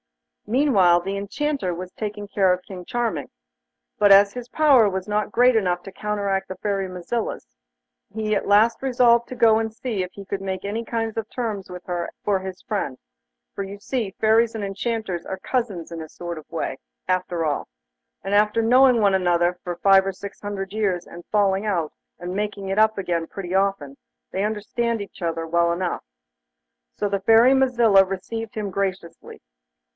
Meanwhile, the Enchanter was taking care of King Charming, but as his power was not great enough to counteract the Fairy Mazilla's, he at last resolved to go and see if he could make any kind of terms with her for his friend; for you see, Fairies and Enchanters are cousins in a sort of way, after all; and after knowing one another for five or six hundred years and falling out, and making it up again pretty often, they understand one another well enough. So the Fairy Mazilla received him graciously.